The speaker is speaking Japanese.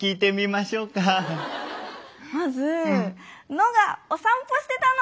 「の」がお散歩してたの。